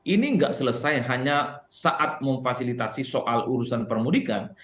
ini nggak selesai hanya saat memfasilitasi soal urusan permudikan